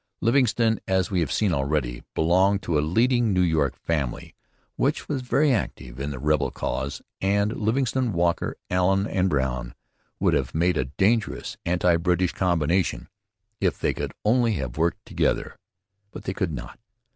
Livingston, as we have seen already, belonged to a leading New York family which was very active in the rebel cause; and Livingston, Walker, Allen, and Brown would have made a dangerous anti British combination if they could only have worked together. But they could not.